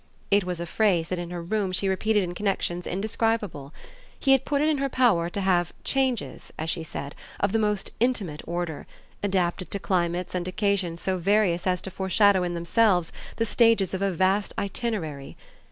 It was a phrase that in her room she repeated in connexions indescribable: he had put it in her power to have "changes," as she said, of the most intimate order, adapted to climates and occasions so various as to foreshadow in themselves the stages of a vast itinerary.